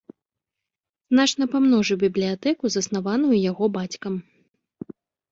Значна памножыў бібліятэку, заснаваную яго бацькам.